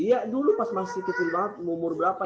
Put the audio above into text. iya dulu pas masih kecil banget umur berapa